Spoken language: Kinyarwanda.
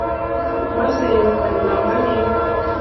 maze yirukana intama n inka